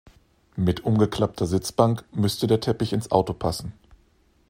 Mit umgeklappter Sitzbank müsste der Teppich ins Auto passen.